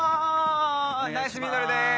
ナイスミドルです